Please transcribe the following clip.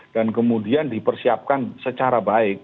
dan kemudian dipersiapkan secara baik